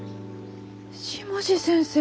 下地先生！